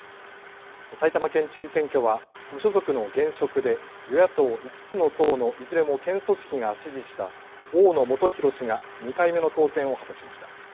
埼玉県知事選挙は無所属の現職で与野党５つの党のいずれも県組織が支持した大野元裕氏が２回目の当選を果たしました。